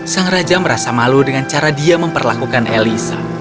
sang raja merasa malu dengan cara dia memperlakukan elisa